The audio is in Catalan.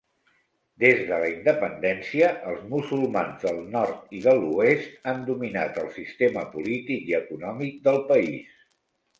Des de la independència, els musulmans del nord i de l'oest han dominat el sistema polític i econòmic del país.